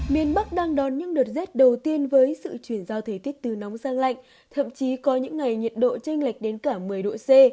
miền bắc đang đón những đợt rét đầu tiên với sự chuyển giao thời tiết từ nóng sang lạnh thậm chí có những ngày nhiệt độ tranh lệch đến cả một mươi độ c